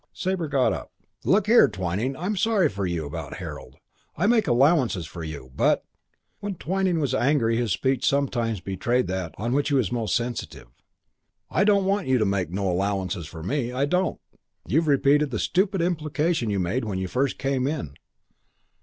Sabre got up. "Look here, Twyning, I'm sorry for you about Harold. I make allowances for you. But " When Twyning was angry his speech sometimes betrayed that on which he was most sensitive. "I don't want you to make no allowances for me. I don't " "You've repeated the stupid implication you made when you first came in."